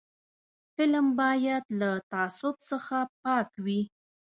فلم باید له تعصب څخه پاک وي